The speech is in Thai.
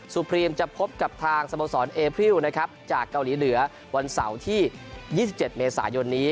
พรีมจะพบกับทางสโมสรเอพริวนะครับจากเกาหลีเหนือวันเสาร์ที่๒๗เมษายนนี้